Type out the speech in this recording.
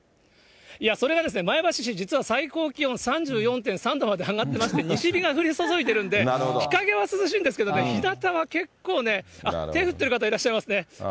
いやそれがですね、前橋市、実は最高気温３４．３度まで上がってまして、西日が注いでいるので、日陰は涼しいんですが、日なたは結構ね、手振っている方いらっしゃいますね。